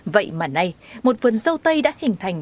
vậy mà nay một vườn dâu tây đã hình thành